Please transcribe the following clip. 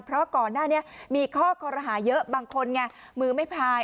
เพราะก่อนหน้านี้มีข้อคอรหาเยอะบางคนไงมือไม่พาย